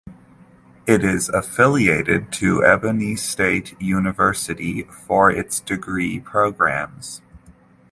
It is affiliated to Ebonyi State University for its degree programmes.